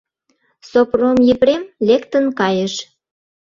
Сопром Епрем лектын кайыш...